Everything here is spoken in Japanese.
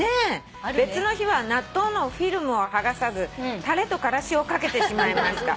「別の日は納豆のフィルムをはがさずたれとからしをかけてしまいました」